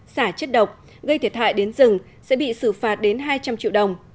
xả chất độc gây thiệt hại đến rừng sẽ bị xử phạt đến hai trăm linh triệu đồng